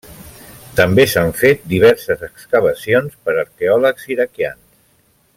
També s'han fet diverses excavacions per arqueòlegs iraquians.